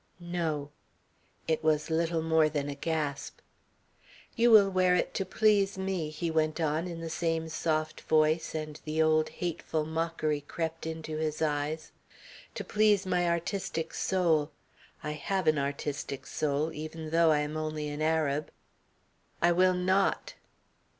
"No." It was little more than a gasp. "You will wear it to please me," he went on in the same soft voice, and the old hateful mockery crept into his eyes, "to please my artistic soul. I have an artistic soul even though I am only an Arab." "I will not!"